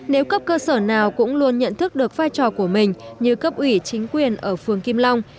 nếu cấp cơ sở nào cũng luôn nhận thức được vai trò của mình như cấp ủy chính quyền ở phường kim long